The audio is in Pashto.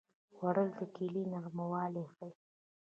خوړل د کیلې نرموالی ښيي